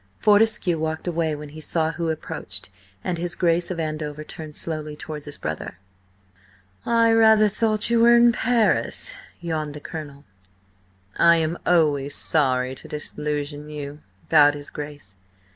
Fortescue walked away when he saw who approached, and his Grace of Andover turned slowly towards his brother. "I rather thought you were in Paris," yawned the colonel. "I am always sorry to disillusion you," bowed his Grace.